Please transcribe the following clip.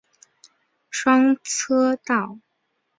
双车道。